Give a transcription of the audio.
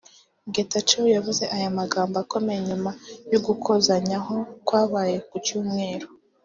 Getachew yavuze aya magambo akomeye nyuma y’ugukozanyaho kwabaye ku Cyumweru